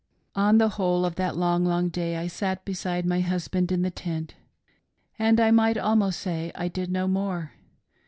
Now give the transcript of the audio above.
" The whole gi that long, long day I sat beside my husband in the tent — and I might almost say I did no more.